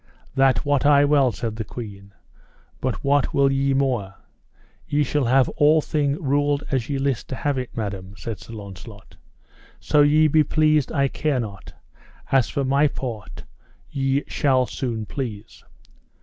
That wot I well, said the queen, but what will ye more? Ye shall have all thing ruled as ye list to have it. Madam, said Sir Launcelot, so ye be pleased I care not, as for my part ye shall soon please.